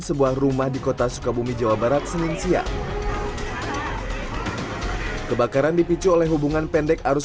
sebuah rumah di kota sukabumi jawa barat senin siang kebakaran dipicu oleh hubungan pendek arus